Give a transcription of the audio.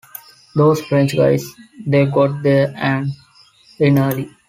Those French guys, they got their end in early.